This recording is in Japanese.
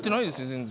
全然。